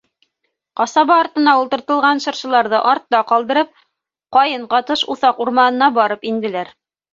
Ҡасаба артына ултыртылған шыршыларҙы артта ҡалдырып, ҡайын ҡатыш уҫаҡ урманына барып инделәр.